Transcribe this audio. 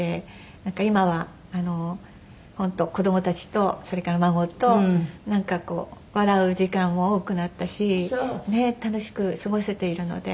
なんか今は本当子供たちとそれから孫となんかこう笑う時間も多くなったし楽しく過ごせているので。